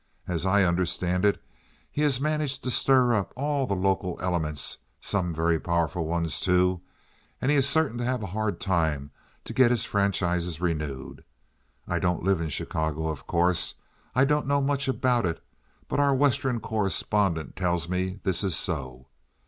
As I understand it, he has managed to stir up all the local elements—some very powerful ones, too—and he is certain to have a hard time to get his franchises renewed. I don't live in Chicago, of course. I don't know much about it, but our Western correspondent tells me this is so.